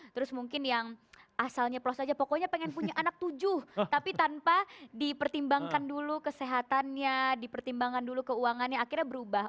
terus mungkin yang asal nyeplos aja pokoknya pengen punya anak tujuh tapi tanpa dipertimbangkan dulu kesehatannya dipertimbangkan dulu keuangannya akhirnya berubah